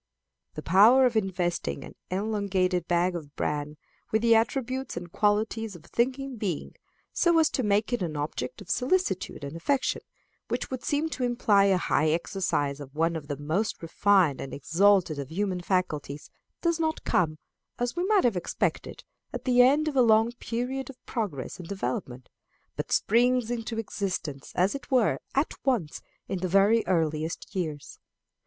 The power of investing an elongated bag of bran with the attributes and qualities of a thinking being, so as to make it an object of solicitude and affection, which would seem to imply a high exercise of one of the most refined and exalted of the human faculties, does not come, as we might have expected, at the end of a long period of progress and development, but springs into existence, as it were, at once, in the very earliest years.